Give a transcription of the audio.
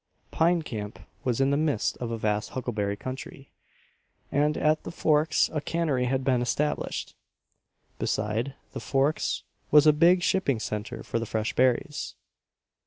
Pine Camp was in the midst of a vast huckleberry country, and at the Forks a cannery had been established. Beside, the Forks was a big shipping centre for the fresh berries.